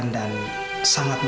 bok dan antar ya